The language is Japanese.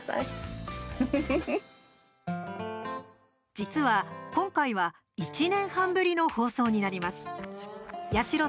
実は、今回は１年半ぶりの放送になります。